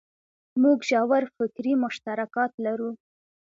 موږ ژور فکري مشترکات لرو.